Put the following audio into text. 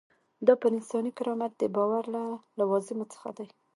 دا پر انساني کرامت د باور له لوازمو څخه دی.